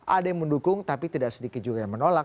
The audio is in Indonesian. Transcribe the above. ada yang mendukung tapi tidak sedikit juga yang menolak